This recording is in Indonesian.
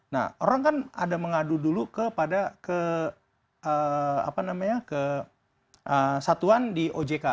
nah orang kan ada mengadu dulu kepada ke satuan di ojk